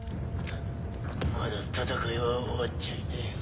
まだ戦いは終わっちゃいねえよ。